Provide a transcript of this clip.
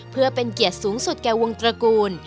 เพื่อเป็นเกียรติสูงสุดแก่วงตระกูล